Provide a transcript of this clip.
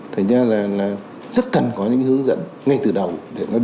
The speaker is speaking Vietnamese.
thành ra là